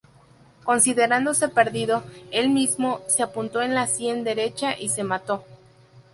Considerándose perdido, el mismo, se apuntó en la sien derecha y se mató.